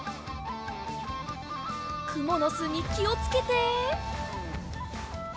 くものすにきをつけて。